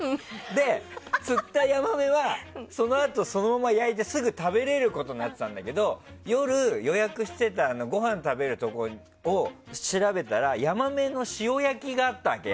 で、釣ったヤマメはそのあと、そのまま焼いてすぐに食べられることになってたんだけど夜、予約してたごはん食べるところを調べたらヤマメの塩焼きがあったわけ。